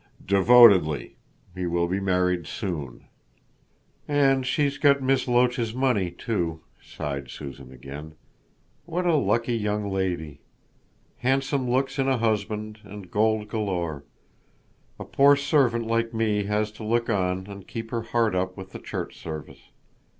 "Devotedly. He will be married soon." "And she's got Miss Loach's money too," sighed Susan again, "what a lucky young lady. Handsome looks in a husband and gold galore. A poor servant like me has to look on and keep her heart up with the Church Service.